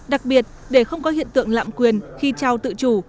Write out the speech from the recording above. đặc biệt để không có hiện tượng lạm quyền khi trao tự chủ